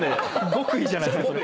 極意じゃないですかそれ。